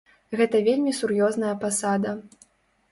Гэта вельмі сур'ёзная пасада.